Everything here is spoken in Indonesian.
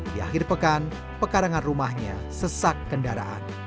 di akhir pekan pekarangan rumahnya sesak kendaraan